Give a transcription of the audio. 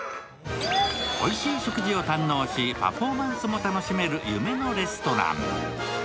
おいしい食事を堪能しパフォーマンスも楽しめる夢のレストラン。